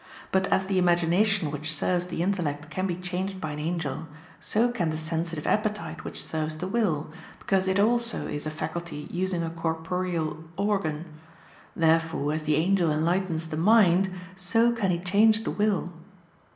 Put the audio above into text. But as the imagination which serves the intellect can be changed by an angel, so can the sensitive appetite which serves the will, because it also is a faculty using a corporeal organ. Therefore as the angel enlightens the mind, so can he change the will.